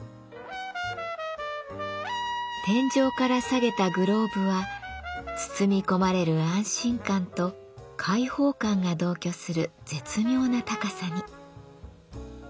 天井から下げたグローブは包み込まれる安心感と解放感が同居する絶妙な高さに。